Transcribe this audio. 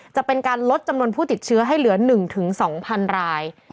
จะเป็นการลดจำนวนผู้ติดเชื้อให้เหลือ๑๒๐๐๐ราย